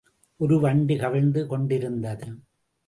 ஒரு வண்டி கவிழ்ந்து கொண்டிருந்தது.